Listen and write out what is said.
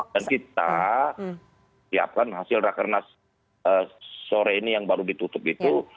dan kita siapkan hasil rakernas sore ini yang baru ditutup itu